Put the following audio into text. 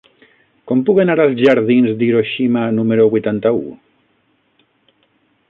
Com puc anar als jardins d'Hiroshima número vuitanta-u?